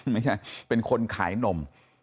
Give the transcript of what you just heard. ไม่ใช่เป็นคนขายนม